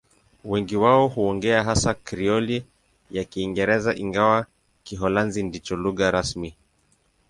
Wengi wao huongea hasa Krioli ya Kiingereza, ingawa Kiholanzi ndicho lugha rasmi.